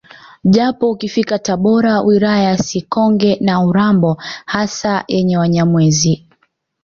Japo ukifika Tabora wilaya ya Sikonge na Urambo hasa yenye Wanyamwezi